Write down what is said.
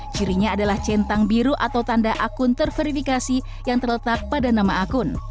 cirinya adalah centang biru atau tanda akun terverifikasi yang terletak pada nama akun